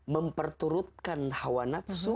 memperturutkan hawa nafsu